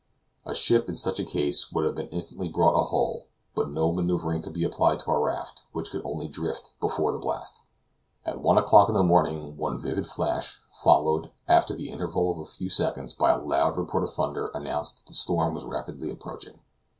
A ship, in such a case, would have been instantly brought ahull, but no maneuvering could be applied to our raft, which could only drift before the blast. At one o'clock in the morning one vivid flash, followed, after the interval of a few seconds, by a loud report of thunder, announced that the storm was rapidly approaching.